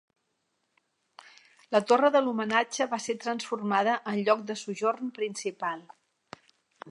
La torre de l'homenatge va ser transformada en lloc de sojorn principal.